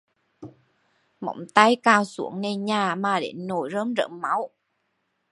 Móng tay cào xuống nền nhà mà đến nỗi rơm rớm máu